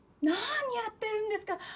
何やってるんですか？